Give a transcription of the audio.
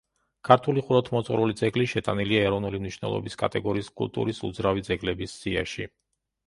ქართული ხუროთმოძღვრული ძეგლი შეტანილია ეროვნული მნიშვნელობის კატეგორიის კულტურის უძრავი ძეგლების სიაში.